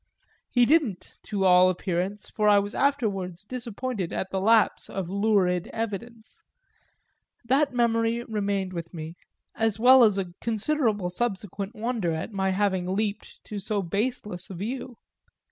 He didn't, to all appearance, for I was afterwards disappointed at the lapse of lurid evidence: that memory remained with me, as well as a considerable subsequent wonder at my having leaped to so baseless a view.